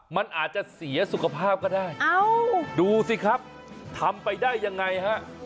มันอาจจะเสียสุขภาพก็ได้ดูสิครับทำไปได้ยังไงฮะ